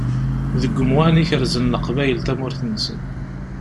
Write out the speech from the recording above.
Deg umwan i kerzen Leqbayel tamurt-nsen.